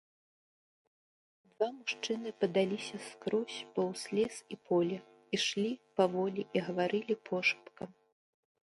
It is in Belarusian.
Два мужчыны падаліся скрозь паўз лес і поле, ішлі паволі і гаварылі пошапкам.